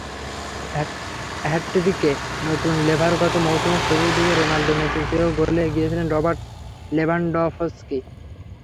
হ্যাটট্রিকে শুরু লেভারগত মৌসুমে শুরুর দিকে রোনালদো-মেসির চেয়েও গোলে এগিয়ে ছিলেন রবার্ট লেভানডফস্কি।